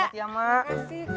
selamat ya mak